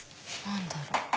何だろう？